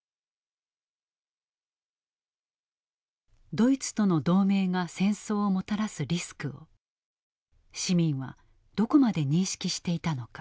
ドイツとの同盟が戦争をもたらすリスクを市民はどこまで認識していたのか。